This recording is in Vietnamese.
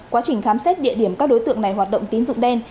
quá trình khám xét địa điểm các đối tượng này hoạt động tín dụng đen